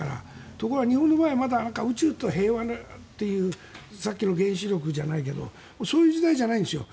ところが、日本の場合は宇宙と平和なというさっきの原子力じゃないけどそういう時代じゃないんですよ。